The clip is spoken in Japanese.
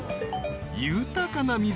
［豊かな水。